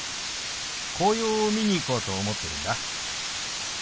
紅葉を見に行こうと思ってるんだ。